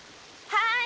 はい。